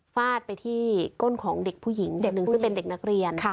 ฟาดไปที่ก้นของเด็กผู้หญิงเด็กหนึ่งซึ่งเป็นเด็กนักเรียน